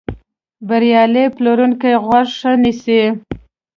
بریالی پلورونکی غوږ ښه نیسي.